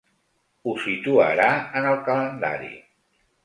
Ho situarà en el calendari.